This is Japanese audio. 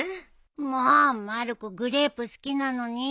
もうまる子グレープ好きなのに。